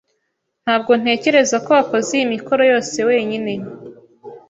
Ntabwo ntekereza ko wakoze iyi mikoro yose wenyine.